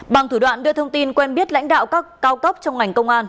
bằng thủ đoạn đưa thông tin quen biết lãnh đạo các cao cấp trong ngành công an